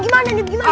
eh terus gimana nih